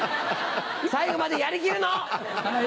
最後までやり切るの！